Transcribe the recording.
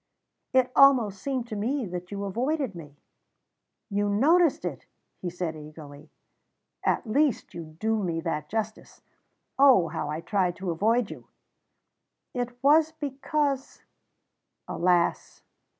"It almost seemed to me that you avoided me." "You noticed it!" he said eagerly. "At least, you do me that justice. Oh, how I tried to avoid you!" "It was because " "Alas!"